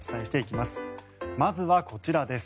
まずはこちらです。